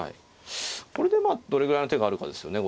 これでまあどれぐらいの手があるかですよね。